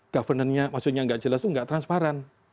governance nya maksudnya tidak jelas itu tidak transparan